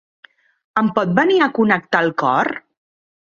Em pot venir a connectar el cor?